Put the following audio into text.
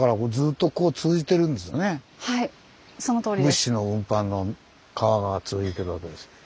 物資の運搬の川が続いてるわけですね。